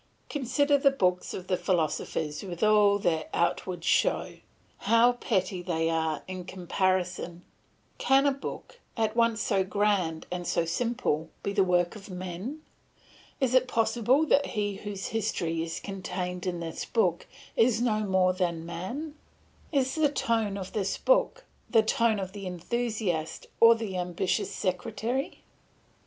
Consider the books of the philosophers with all their outward show; how petty they are in comparison! Can a book at once so grand and so simple be the work of men? Is it possible that he whose history is contained in this book is no more than man? Is the tone of this book, the tone of the enthusiast or the ambitious sectary?